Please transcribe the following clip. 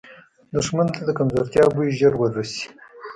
دښمن ته د کمزورتیا بوی ژر وررسي